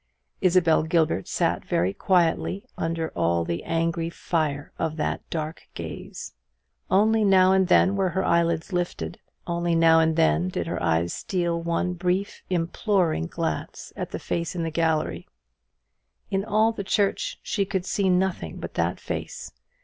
Isabel Gilbert sat very quietly under all the angry fire of that dark gaze. Only now and then were her eyelids lifted; only now and then did her eyes steal one brief imploring glance at the face in the gallery. In all the church she could see nothing but that face.